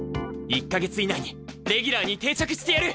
１か月以内にレギュラーに定着してやる！